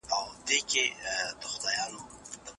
خلګ ولي ولسي جرګي ته اړتیا لري؟